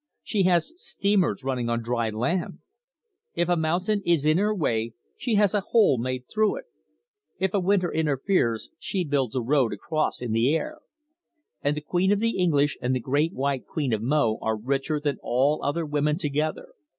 She has steamers running on dry land. If a mountain is in her way she has a hole made through it. If a river interferes, she builds a road across in the air. And the Queen of the English and the Great White Queen of Mo are richer than all other women together.